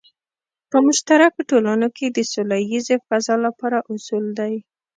په مشترکو ټولنو کې د سوله ییزې فضا لپاره اصول دی.